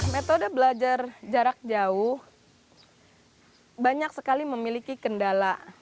metode belajar jarak jauh banyak sekali memiliki kendala